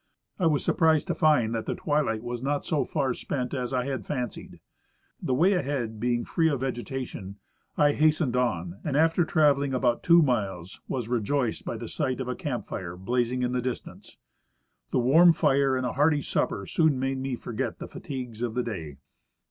I was surprised to find that the twilight was not so far spent as I had fancied. The way ahead being free of vegetation, I has tened on, and after traveling about two miles was rejoiced by the sight of a camp fire blazing in the distance. • The Avarm fire and a hearty supper soon madenie forget the fatigues of the day.